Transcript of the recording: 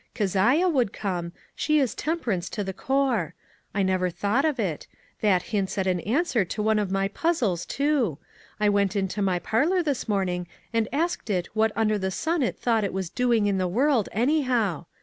Keziuh would come ; she is temperance to the core. I never thought of it ; that hints at an answer to one of my puzzles, too. I went into my parlor this morning and asked it what under the sun it thought it was doing in the world, anyhow.